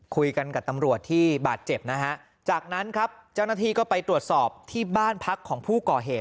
คุยกับตำรวจที่บาดเจ็บนะฮะจากนั้นครับเจ้าหน้าที่ก็ไปตรวจสอบที่บ้านพักของผู้ก่อเหตุ